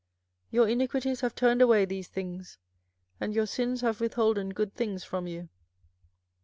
24:005:025 Your iniquities have turned away these things, and your sins have withholden good things from you.